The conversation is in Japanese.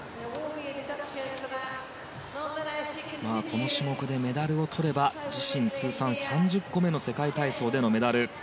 この種目でメダルをとれば自身通算３０個目の世界体操でのメダル。